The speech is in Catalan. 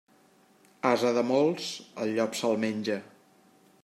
Ase de molts, el llop se'l menja.